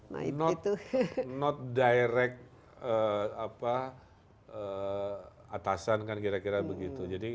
tidak langsung atasan kira kira begitu